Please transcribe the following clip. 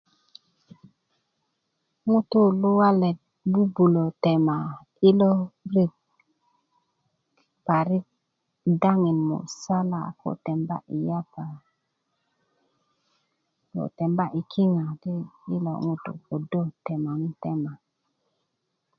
ŋutu luwalet bubulö tema i lo ret parik daŋin musala ko temba i yapa ko temba i kiŋa i lo ŋutu kodo temanitema